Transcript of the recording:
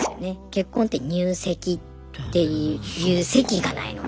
結婚って入籍っていう籍がないので。